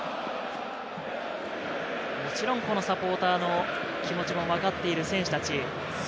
もちろんサポーターの気持ちも分かっている選手たち。